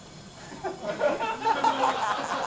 ハハハハ！